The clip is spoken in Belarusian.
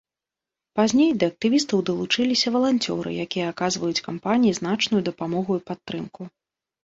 Пазней, да актывістаў далучыліся валанцёры, якія аказваюць кампаніі значную дапамогу і падтрымку.